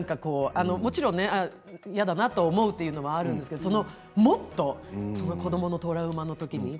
もちろん嫌だなと思うのはあるんですけど、もっとその子どものトラウマの時に。